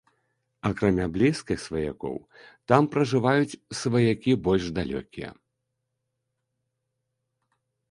Акрамя блізкіх сваякоў, там пражываюць сваякі больш далёкія.